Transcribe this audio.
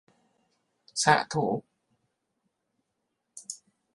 xạ thủ